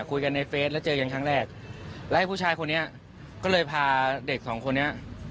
คุยกันในเฟสแล้วเจอกันครั้งแรกแล้วไอ้ผู้ชายคนนี้ก็เลยพาเด็กสองคนนี้